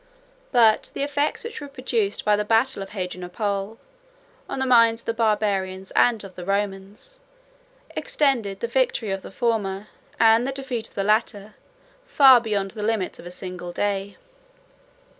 But the effects which were produced by the battle of Hadrianople on the minds of the Barbarians and of the Romans, extended the victory of the former, and the defeat of the latter, far beyond the limits of a single day.